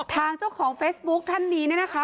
ทางเจ้าของเฟซบุ๊คท่านนี้เนี่ยนะคะ